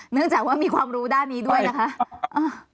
เนื่องจากว่ามีความรู้ด้านนี้ด้วยนะคะ